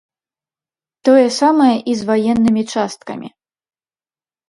Тое самае і з ваеннымі часткамі.